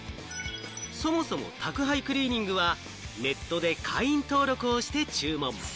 そもそも宅配クリーニングは、ネットで会員登録をして注文。